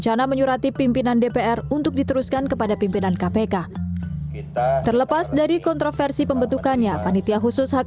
cara seperti itu